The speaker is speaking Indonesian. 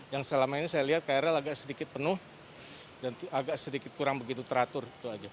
yang selama ini saya lihat krl agak sedikit penuh dan agak sedikit kurang begitu teratur itu aja